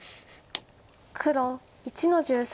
黒１の十三。